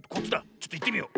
ちょっといってみよう。